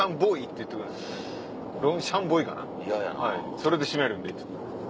それで締めるんでいつも。